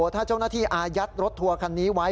ถ้าเจ้าหน้าที่อายัดรถทัวร์คันนี้ไว้